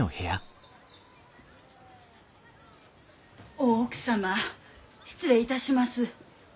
大奥様失礼いたします。